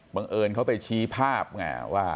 บังเอิญเขาไปชี้ภาพว่า